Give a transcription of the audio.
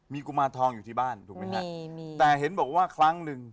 มีกุมารทองอยู่ที่บ้านถูกไหมฮะแต่เห็นบอกว่าครั้งหนึ่ง